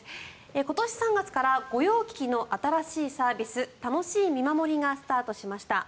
今年３月から御用聞きの新しいサービス楽しい見守りがスタートしました。